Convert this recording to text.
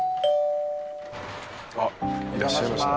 あいらっしゃいましたね。